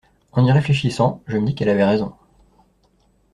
En y réfléchissant, je me dis qu'elle avait raison.